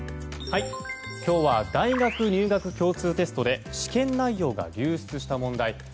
今日は大学入学共通テストで試験内容が流出した問題。